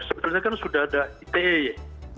sebenarnya kan sudah ada ite ya